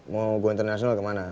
mau go international kemana